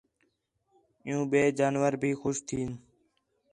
عِیّوں ٻئے جانور بھی خوش تھئین